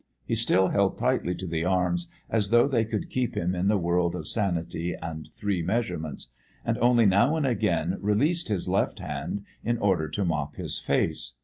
He still held tightly to the arms as though they could keep him in the world of sanity and three measurements, and only now and again released his left hand in order to mop his face.